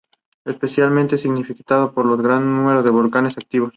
Es especialmente significativa por el gran número de volcanes activos.